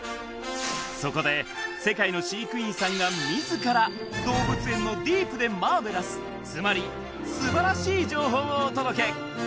そこで世界の飼育員さんが自ら動物園のディープでマーベラスつまり素晴らしい情報をお届け！